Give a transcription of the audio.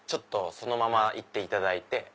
そのままいっていただいて。